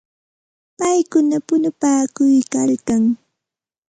Paykuna punupaakuykalkan.